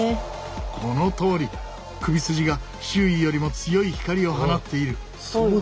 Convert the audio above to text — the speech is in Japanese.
このとおり首筋が周囲よりも強い光を放っている。